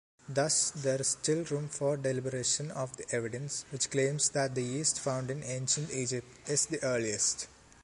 Thus, there is still room for deliberation of the evidence which claims that the yeast found in Ancient Egypt is the earliest.